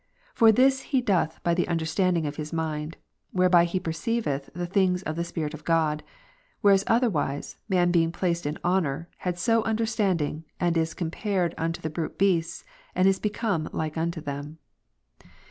For this he doth by the understanding of his mind, whereby he perceiveth the things of the Spirit of God; whereas otherwise, man being placed in honour, had no understanding, and is compared unto the brute beasts, and is become like unto them.